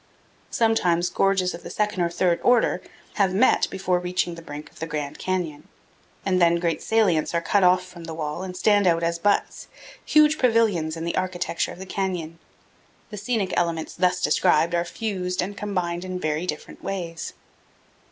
Sometimes gorges of the second or third order have met before reaching the brink of the Grand Canyon, and then great salients are cut off from the wall and stand out as buttes huge pavilions in the architecture of the canyon. The scenic elements thus described are fused and combined in very different ways.